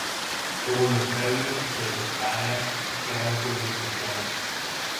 Según Eusebio de Cesarea era un judío cristiano.